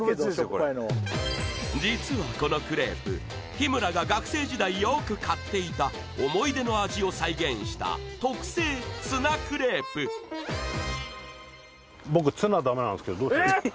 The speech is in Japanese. これ実はこのクレープ日村が学生時代よく買っていた思い出の味を再現した特製ツナクレープえっ！？